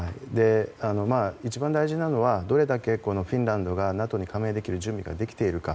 一番大事なのはどれだけフィンランドがＮＡＴＯに加盟できる準備ができているか。